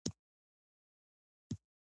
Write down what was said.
د ژوند لومړنۍ اړتیاوې د ښکار له لارې پوره شوې.